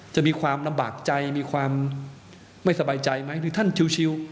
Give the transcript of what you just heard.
จะมีความลำบากใจมีความไม่สบายใจไหมหรือท่านชิว